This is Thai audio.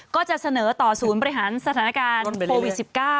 ก็จะเสนอต่อศูนย์บริหารสถานการณ์โควิด๑๙